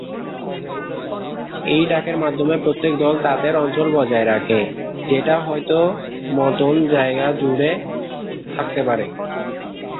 এই ডাকের মাধ্যমে প্রত্যেক দল তাদের অঞ্চল বজায় রাখে, যেটা হয়তো মতোন জায়গা জুড়ে থাকতে পারে।